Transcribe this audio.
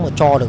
mà cho được